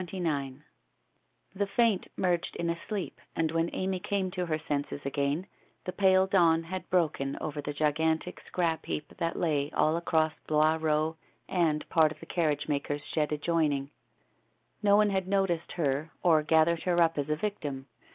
CHAPTER XXIX The faint merged in a sleep and when Amy came to her senses again, the pale dawn had broken over the gigantic scrap heap that lay all across Blois Eow and part of the carriagemaker's shed adjoining. No one had noticed her, or gathered her up as a victim.